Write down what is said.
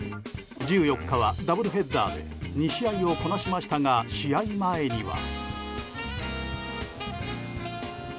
１４日はダブルヘッダーで２試合をこなしましたが試合前には。